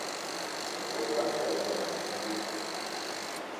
Rugha mnterengo na kizingiti.